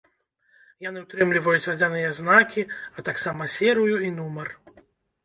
Яны ўтрымліваюць вадзяныя знакі, а таксама серыю і нумар.